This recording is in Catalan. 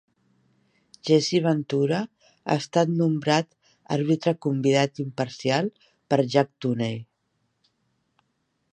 Jesse Ventura ha estat nombrat àrbitre convidat imparcial per Jack Tunney.